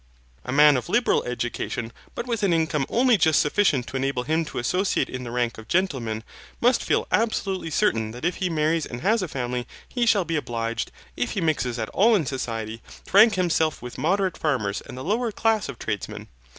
A man of liberal education, but with an income only just sufficient to enable him to associate in the rank of gentlemen, must feel absolutely certain that if he marries and has a family he shall be obliged, if he mixes at all in society, to rank himself with moderate farmers and the lower class of tradesmen.